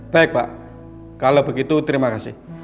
baik pak kalau begitu terima kasih